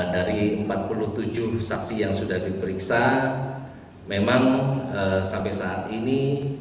dari empat puluh tujuh saksi yang sudah diperiksa memang sampai saat ini